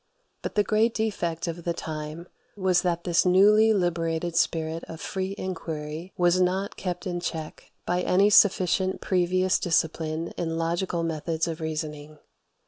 But the great defect of the time was that this newly liberated spirit of free inquiry was not kept in check by any sufficient previous discipline in logical methods of reasoning.